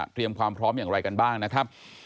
ความพร้อมอย่างไรกันบ้างนะครับ